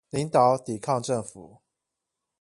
領導抵抗政府